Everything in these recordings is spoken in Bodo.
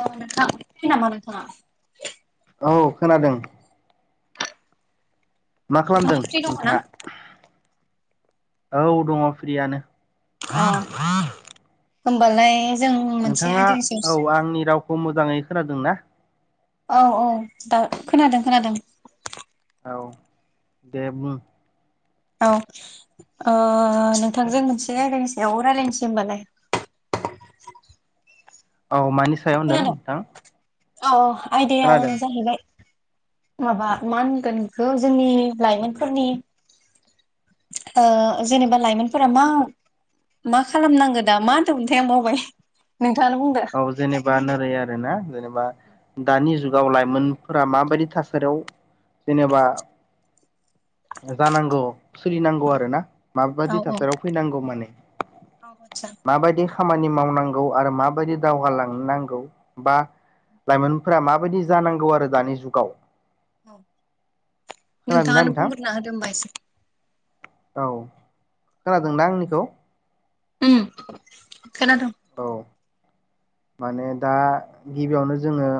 औ नोंथां फ्रि नामा नोंथाङा औ खोनादों मा नोंथाङा खालामदों फ्रि दङ ना नोंथाङा औ दङ फ्रियानो अ होमबालाय जों मोनसे नोंथाङा आयदानि औ सायाव आंनि रावखौ मोजाङै खोनादों ना औ औ दा खोनादों खोनादों। औ दे बुं औ ओ नोंथांजों मोनसे आयदानि सायाव रायलायनोसै होमबालाय। [inaudible] औ मानि सायाव होनदों खोनादों नोंथां औ आयदाया खोनादों जाहैबाय माबा मा होनगोन बेखौ जोंनि लाइमोनफोरनि ओ जेनेबा लाइमोनफोरा मा मा खालामनांगो दा मा दंमोनथाइ आं वावबाय नोंथाङानो बुंदो बा नोरै आरोना जेनेबा दानि जुगाव लाइमोनफोरा माबायदि थासारियाव जेनेबा जानांगौ सोलिनांगौ औ आरो ना औ माबायदि थासारियाव फैनांगौ माने औ आदसा माबायदि खामानि मावनांगौ आरो माबायदि दावगालांनांगौ बा लाइमोनफोरा माबायदि जानांगौ आरो दानि जुगाव औ खोनादोंना नोंथाङानो नोंथां बुंग्रोना होदो होनबा एसे। औ खोनादोंना आंनिखौ ओम खोनादों। औ। माने दा गिबियावनो जोङो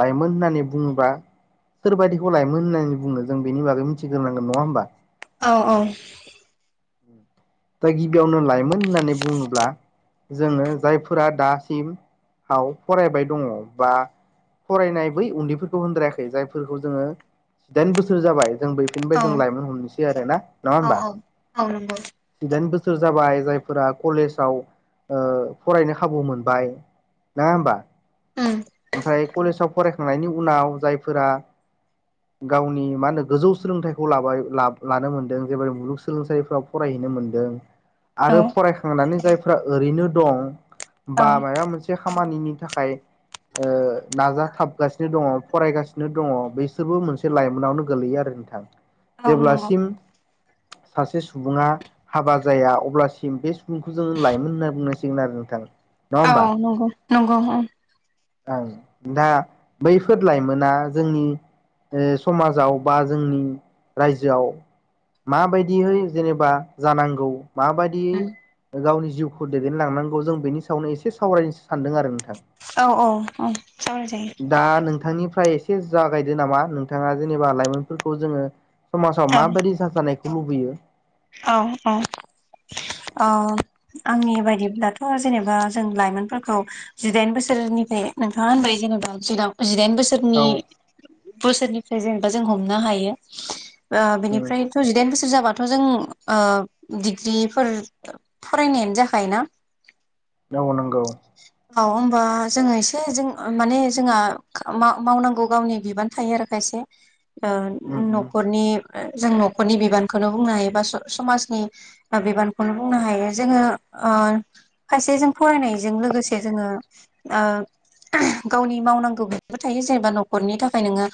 लाइमोन होननानै बुङोबा सोरबायदिखौ लायमोन होननानै बुङो जों बेनि बागै मिथिग्रोनांगोन नङा होमबा औ औ दा गिबियावनो लायमोन होननानै बुङोब्ला जोङो जायफोरा दासिम आव फरायबाय दङ बा फरायनाय बै उन्दैफोरखौ होनद्रायाखै जायफोरखौ जोङो जिदाइन बोसोर जाबाय जों औ बैफोरनिफाय जों लाइमोन हमनोसै आरो ना नङा होमबा औ औ नंगौ दाइन बोसोर जाबाय जायफोरा कलेजाव ओ फरायनो खाबु मोनबाय। नोङा होमबा उम ओमफाय कलेजाव फरायखांनायनि उनाव जायफोरा गावनि मा होनो गोजौ सोलोंथाइखौ लाबाय ला लानो मोनदों जेबायै मुलुगसोलोंसालिफ्राव फरायहैनो मोनदों औ आरो फरायखांनानै जायफ्रा ओरैनो दं औ बा मायबा मोनसे खामानिनि थाखाय ओ नाजाथाबगासिनो दङ फरायगासिनो दङ बिसोरबो मोनसे लाइमोनावनो गोलैयो आरो नोंथां औ नंगौ जेब्लासिम सासे सु सुबुङा हाबा जाया अब्लासिम बे सुबुंखौ जोङो लाइमोन होनना बुंनांसिगोन आरो नोंथां। नङा औ होमबा नंगौ नंगौ ओं ओं दा बैफोर लाइमोना जोंनि ओ समाजाव बा जोंनि रायजोआव माबायदियै जेनेबा जानांगौ माबायदियै गावनि जिउखौ दैदेनलांनांगौ जों बेनि सायावनो एसे सावरायनोसै सानदों आरो नोंथां औ-औ-औ सावराय जायो दा नोंथांनिफ्राय एसे जागायदो नामा नोंथाङा जेनेबा लाइमोनफोरखौ जोङो समाजाव माबायदि जाजानायखौ लुबैयो औ-औ ओ आंनि बायदि ब्लाथ जेनेबा जों लाइमोनफोरखौ जिदाइन बोसोरनिफ्राय नोंथाङा होनबाय जि जेनेबा जिदाइन औ बोसोरनि बोसोरनिफ्राय जेनेबा जों हमनो हायो ओ उम बिनिफ्रायथ जिदाइन बोसोर जाबाथ जों ओ डिग्रिफोर फरायनायानो जाखायो ना ओव नोंगौ औ होमबा जोङो एसे जों माने जोंहा खा मा-मावनांगौ गावनि बिबान थायो आरो खाय से ओ उम उम नखरनि ओ जों नखरनि बिबानखौनो बुंनो हायोबा स समाजनि बा बिबानखौनो बुंनो हायो जोङो खायसे अ जों फरायनायजों लोगोसे जोङो ओ गावनि मावनांगौ [unintelligible] बो थायो जेनेबा नखरनि थाखाय नोङो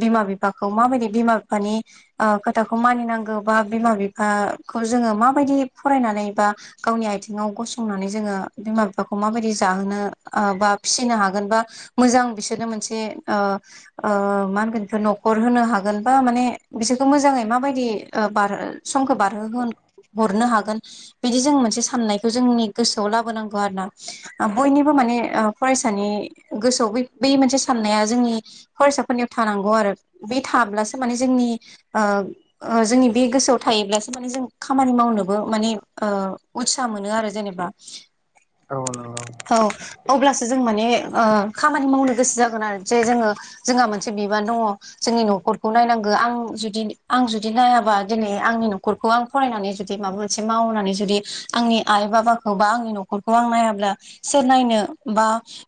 बिमा बिफाखौ माबायदि बिमा बिफा नि ओ खोथाखौ मानि नांगोन बा बिमा बिफा खौ जोङो माबायदि फरायनानै बा गावनि आथिङाव गसंनानै जोङो बिमा बिफाखौ माबादि जाहोनो ओ बा फिसिनो हागोन बा मोजां बिसोरनो मोनसे ओ-ओ ओ मा होनगोन इखो नखर होनो हागोन बा माने बिसोरखौ मोजाङै माबायदि ओ बार समखौ बारहो हरनो हागोन बिदि जों मोनसे साननायखौ जोंनि गोसोआव लाबोनांगौ आरोना ओ बयनिबो माने ओ फरायसानि गोसोआव बे मोनसे साननाया जोंनि फरायसाफोरनियाव थानांगौ आरो बे थाब्लासो माने जोंनि ओ-ओ जोंनि बे गोसोआव थायोब्लासो माने जों खामानि मावनोबो माने ओ उतसा मोनो आरो जेनेबा औ नंगौ औ अब्लासो जों माने ओ खामानि मावनो गोसो जागोन आरो जे जोङो जोंहा मोनसे बिबान दङ जोंनि नखरखौ नायनांगो आं जुदि आं जुदि नायाबा बा दिनै आंनि नखरखौ आं फरायनानै जुदि माबा मोनसे मावनानै जुदि आंनि आइ बाबाखौ बा आंनि नखरखौ आं नायाब्ला सोर नायनो बा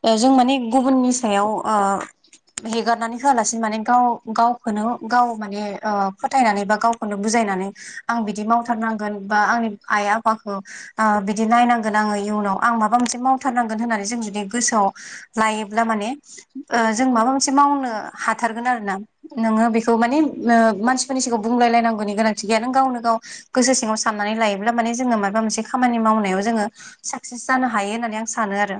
ओ जों माने गुबुननि सायाव ओ हेगारनानै होआलासिनो माने गाव गावखौनो गाव माने ओ फोथायनानै बा गावखौनो बुजायनानै आं बिदि मावथारनांगोन बा आंनि आइ आफाखौ ओ बिदि नायनांगोन आङो इयुनाव आं माबा मोनसे मावथारनांगोन होननानै जों जुदि गोसोआव लायोब्ला माने ओ जों माबा मोनसे माव नो हाथारगोन आरोना नोङो बेखौ माने मानसिफोरनि सिगाङाव बुंलायलायनांगौनि गोनांथि गैया नों गावनो गाव गोसो सिङाव साननानै लायोब्ला माने जोङो माबा मोनसे खामानि मावनायाव जोङो साक्सेस जानो हायो होननानै आं सानो आरो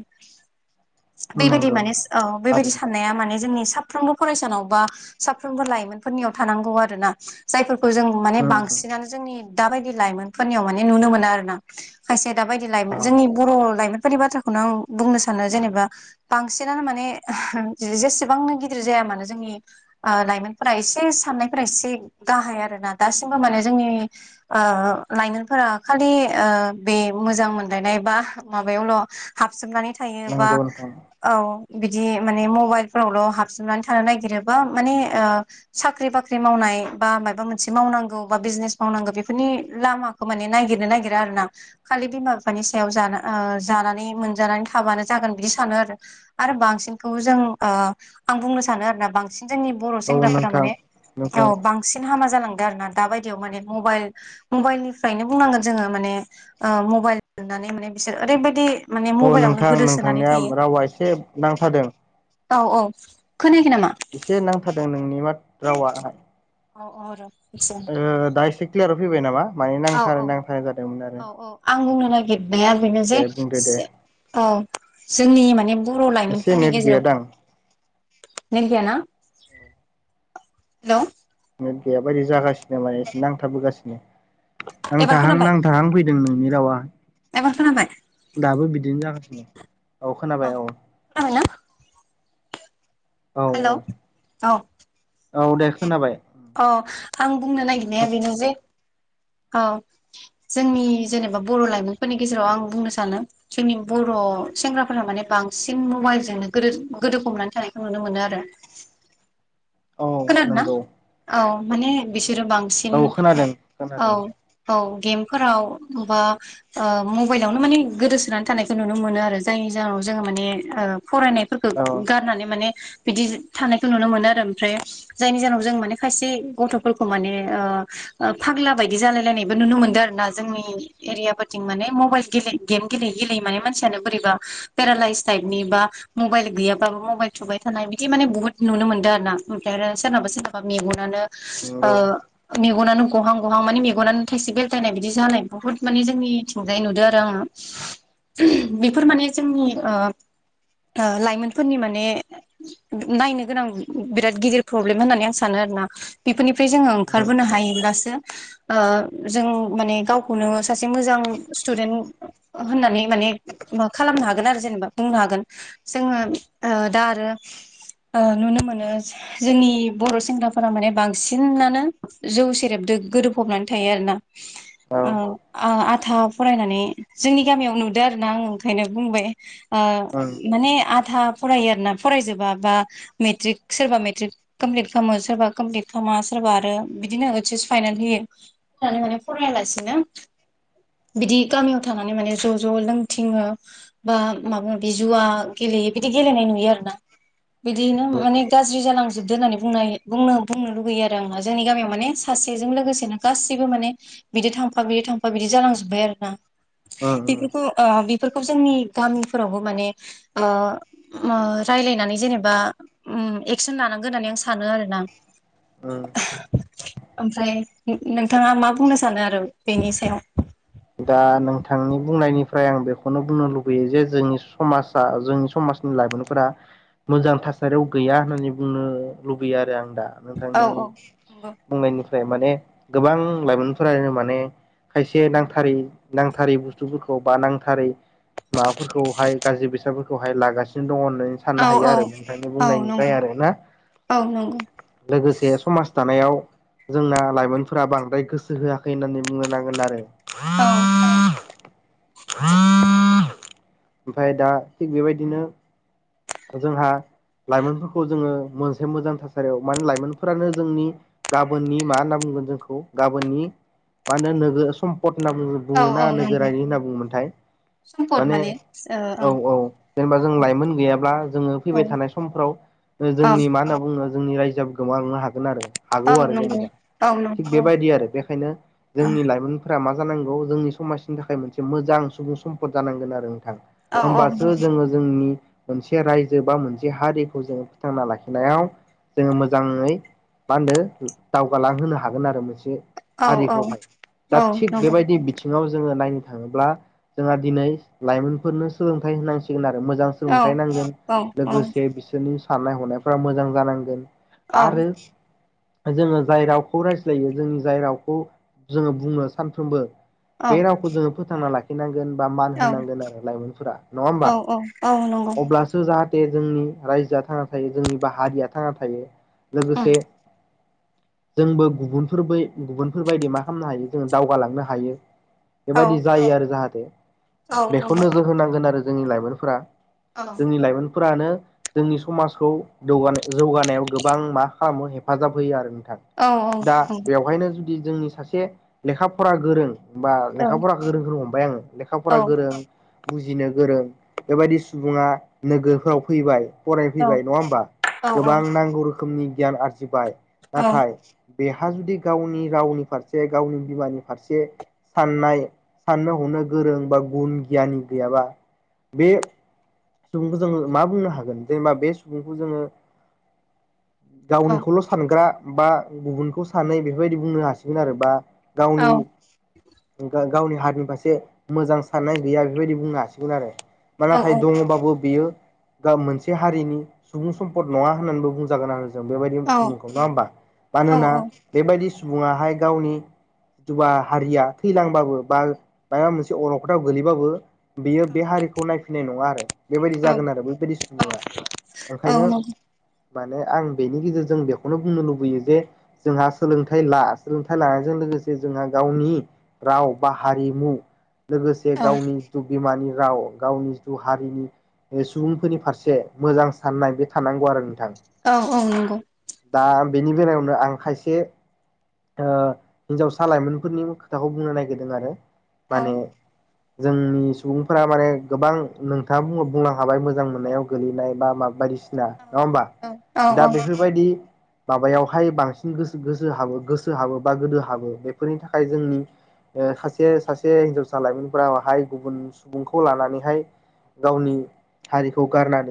बेबायदि नंगौ माने अ बेबायदि थारैनो साननाया माने जोंनि साब साफ्रोमबो फरायसानाव बा साफ्रोमबो लाइमोनफोरनियाव थानांगौ आरोना जायफोरखौ जों माने उम उम बांसिनानो जोंनि दा बायदि लाइमोनफोरनियाव माने नुनो मोनो आरोना खायसे दाबायदि लाइमोन अ जोंनि बर लाइमोन फोरनि बाथ्राखौनो आं बुंनो सानो जेनेबा बांसिनानो माने जेसेबांनो गिदिर जाया मानो ओ जोंनि लाइमोनफोरा एसे साननायफोरा एसे गाहाय आरोना दासि मबो माने जोंनि ओ लाइमोनफोरा खालि ओ बे मोजां मोनलायनाय बा माबायावल हाबजोबनानै थायो बा नंगौ नोंथां औ बिदि माने मबाइल फोरावल हाबसोबनानै थानो नागिरो बा माने साख्रि बाख्रि मावनाय बा मायबा मोनसे मावनांगो बा बिजनेस मावनांगौ बेफोरनि लामाखौ माने नायगिरनो नागिरा आरोना खालि बिमा बिफानि सायाव जा ओ जानानै मोनजानानै थाबानो जागोन बिदि सानो आरो आरो बांसिनखौ जों ओ आं बुंनो सानो आरोना बांसिन जोंनि बर औ सेंग्राफोरा नोंथां माने नोंथां बांसिन औ हामा जालांदों आरोना दा बायदियाव माने मबाइल मबाइल निफ्रायनो बुंनांगोन जोङो माने ओ मबाइल मोननानै माने बिसोर ओरैबायदि माने औ मबाइलावनो नोंथां गोदोसोनानै नोंथांनिया थायो रावा एसे नांथादों औ औ खोनायाखै नामा? एसे नांथादों नोंनि मा रावा औ औ र एसे ओ दायो एसे क्लियाराव फैबाय नामा माने औ नांथानाय औ नांथानाय जादोंमोन आरो औ औ आं बुंनो नागिरनाया बेनो जे दे बुंदो दे औ जोंनि माने बर एसे लाइमोनफोरनि नेट गेजेराव गैयादां नेत गैया ना हेलौ नेत गैया बायदि जागासिनो माने एसे नांथाखफैगासिनो एबार नांथाहां खोनाबाय नांथाहां फैदों नोंनि रावा एबार खोनाबाय दाबो बिदिनो जागासिनो औ अ खोनाबाय औ खोनाबायना औ हेलौ औ औ दे खोनाबाय अ आं बुंनो नागिरनाया बेनो जे औ जोंनि जेनेबा बर लाइमोनफोरनि गेजेराव आं बुंनो सानो जोंनि बर सेंग्राफोरा माने बांसिन मबाइलजोंनो गोदो गोदोफबनानै थानायखौ नुनो मोनो आरो लांदां औ नोंगौ माने बिसोरो बांसिन औ खोनादों औ गेम फोराव बा ओ मबाइलावनो माने गोदोसोनानै थानायखौ नुनो मोनो आरो जायनि जाहोनाव जोङो माने ओ फरायनायफोरखौ औ गारनानै माने बिदि थानायखौ नुनो मोनो आरो ओमफ्राय जायनि जाहोनाव जों माने खायसे गथफोरखौ माने ओ फाग्ला बायदि जालाय लायनायबो नुनो मो दो आरोना जोंनि एरिया फोरथिं माने मबाइ गेम गेले गेले माने मानसियानो बोरैबा पेरालाइस टाइपनि बा मबाइल गैयाबाबो मबाइल थुबाय थानाय बिदि माने बुहुत नुनो मोनदों आरो ना ओमफ्राय आरो सोरनाबा सोरनाबा मेगनानो ओ नंगौ मेगनानो गहां गहां माने मेगनानो थाइसे बेलथायनाय बिदि जानाय बुहुत माने जोंनिथिंजाय नुदों आरो आङो बेफोर माने जोंनि ओ ओ लाइमोनफोरनि माने नायनो गोनां बिराद गिदिर प्रब्लेम होननानै आं सानो आरो ना बेफोरनिफ्राय जोङो उम ओंखारबोनो हायोब्लासो ओ जों माने गावखौनो सासे मोजां स्टुदेन् होननानै माने खालामनो हागोन आरो जेनेबा बुंनो हागोन जोङो ओ दा आरो ओ नुनो मोनो जोंनि बर सेंग्राफोरा माने बांसिनानो जौ सेरेबदो गोरोफबनानै थायो आरोना औ आ आथा फरायनानै जोंनि गामियाव नुदो आरो ना आं ओंखायनो बुंबाय ओ उम माने आधा फरायो आरोना फरायजोबा बा मेट्रिक सोरबा मेट्रिक कमप्लिट खालामो सोरबा कमप्लिट खालामा सोरबा आरो बिदिनो ओइस एस फाइनल होयो नानै माने फरायालासिनो बिदि गामियाव थानानै माने ज ज लोंथिङो बा माबा माबे जुवा गेले बिदि गेलेनाय नुयो आरोना बिदिनो नंगौ माने गाज्रि जालांजोबदो होननानै बुंनो हायो बुंनो बुंनो लुुबैयो आरो आं जोंनि गामियाव माने सासेजों लोगोसेनो गासिबो माने माने बिदि थांफा बिदि थांफा बिदि जालांजोबबाय आरोना उम उम बेफोरखौ ओ बेफोरखौ जोंनि गामिफोरावबो माने ओ ओ रायलायनानै जेनेबा ओम एक्सन लानांगो होननानै आं सानो आरो ना ओ ओमफ्राय नों नोंथाङा मा बुंनो सानो आरो बेनि सायाव दा नोंथांनि बुंनायनिफ्राय आं बेखौनो बुंनो लुबैयो जे जोंनि समाजा जोंनि समाज समनि लाइमोनफोरा मोजां थासारियाव गैया होननानै बुंनो लुबैयो आरो आं दा औ नोंथांनि बुंनायनि फ्राय माने गोबां लाइमोनफोरानो माने खायसे नांथार थारै नांथारै बुस्थुफोरखौ बा नांथारै माबाफोरखौहाय गाज्रि बेसादफोर खौहाय लागासिनो दङ होननानै साननो हायो आरो बिनिखायनो बुंनायनिफ्राय नंगौ आरो ना औ नंगौ औ नंगौ लोगोसे समाज दानायाव जोंना लाइमोनफोरा बांद्राय गोसो होआखै होननानै बुंनो नांगोन आरो औ [inaudible] ओमफ्राय दा थिग बेबायदिनो जोंहा लाइमोनफोरखौ जोङो मोनसे मोजां थासारियाव माने लाइमोनफोरानो जोंनि गाबोननि मा होनना बुङो जोंखौ गाबोननि मा होनो नोगो सम पट होनना बुङो औ औ बना नंगौ नोगोरारिनि होनना बुङोमोनथाय सम्पद माने ओ औ औ जेनेबा जों लाइमोन गैया ब्ला जोङो फैबाय ओं थानाय समफ्राव औ जोंनि मा होनना बुङो जोंनि रायजो गोमांलांनो हा गोनआरो औ हागौ आरो नंगौ जेनेबा औ थिग नंगौ बेबायदि आरो बेखायनो औ जोंनि लाइमोनफोरा मा जानांगौ जोंनि समाजनि थाखाय मोनसे मोजां सुबुं सम्पद जानांगोन आरो नों थां औ औ होमबासो जोङो जोंनि मोनसे रायजो बा मोनसे हारिखौ जोङो फोथांना लाखिनायाव जोङो मोजाङै मा होनो दावगालांहोनो हागोन आरो मोनसे औ औ हारिखौहाय दा औ थिग नंगौ बेबायदि बिथिङाव जोङो नायनो थाङोब्ला जोंहा दिनै लाइमोनफोरनो सोलोंथाइ होनांसिगोन आरो मोज औ सोलोंथाइ नांगोन औ औ लोगोसे बिसोरनि साननाय हनायफ्रा मोजां जानांगोन आरो जोङो जाय रावखौ रायज्लायो जोंनि जाय रावखौ जोङो बुङो सानफ्रोमबो बे रावखौ जोङो फोथांना लाखिनांगोन बा मान औ होनांगोन आरो लाइमोनफोरा नङा होमबा औ औ औ नंगौ अब्लासो जाहाथ थे जोंनि रायजोआ थांना थायो जोंनि बा हारिया थांना थायो उम लोगोसे जोंबो गुबुनफोर बै गुबुनफोरबायदि मा खालामनो हायो जों दावगालांनो हायो औ बेबायदि जायो आरो जाहाथे औ बेखौ नंगौ नोजोर होनांगोन आरो जोंनि लाइमोनफोरा औ जोंनि लाइमोनफोरानो जोंनि समाजखौ जौगानायाव गोबां मा खालामो हेफाजाब होयो आरो नोंथां औ औ दा नंगौ बेवहायनो जोंनि सासे लेखा फरा गोरों बा औ लेखाफोरा गोरोंखौनो हमबाय आङो औ लेखाफरा गोरों बुजिनो गोरों बेबायदि सुबुङा नोगोरफोराव फैबाय औ फरायफैबाय नङा होमबा औ गोबां नांगौ रोखोमनि गियान आरजिबाय औ नाथाय बेहा जुदि गावनि रावनि फारसे गावनि बिमानि फारसे साननाय साननो हनो गोरों बा गुन गियानि गैयाबा बे सुबुंखौ जोङो मा बुंनो हागोन जेनेबा बे सुबुंखौ जोङो औ गावनिखौल' सानग्रा बा गुबुनखौ सानै बेफोरबायदि बुंनो हासिगोन आरो बा औ गावनि गाग गावनि हारिनि फारसे मोजां साननाय गैया बेफोरबायदि बुंनो हासिगोन आरो ना औ थाइ औ नंगौ दङबाबो बियो मोनसे हारिनि सुबुं सम्पद नङा होननानैबो बुंजागोन आरो जों बेबायदि औ सुबुंखौ नङा होमबा मानोना औ नंगौ औ बेबायदि सुबुङाहाय गावनि जुबा हारिया थैलांबाबो बा माबा मोनसे अलखदाव गोगलैबाबो बेयो बे हारिखौ नायफै नाय नङा आरो बेबायदि जागोन आरो बैबायदि सुबुङा ओंखायनो माने आं बेनि गेजेरजों बेखौनो बुंनो लुबैयो जे जोंहा सोलोंथाइ ला सोलोंथाइ लानायजों लो लोगोसे जोंहा गावनि राव बा हारिमु लोगोसे गावनि जिथु बिमानि राव गावनि ज थु हारिनि ओ सुबुंफोरनि फारसे मोजां साननाय बे थानांगौ आरो नोंथां। औ औ नंगौ। दा बेनि बेलायावनो आं खायसे ओ हिन्जावसा लाइमोनफोरनि खोथाखौ बुंनो नागिरदों आरो माने जोंनि सुबुंफोरा माने गोबां नोंथाङा बुङो बुंनो हाबाय मोजां मोननायाव गोलैनाय बा माबा बायदिसि सिना नङा होमबा औ दा औ बेफोरबायदि माबायावहाय बांसिन गोसो गोसो हाबो गोसो हाबो बा गोदो हाबो बेफोरनि थाखाय जोंनि बे खायसे सासे हिन्जावसा लाइमोनफोराहाय गुबुन सुबुंखौ लानानैहाय गावनि हारिखौ गारनानै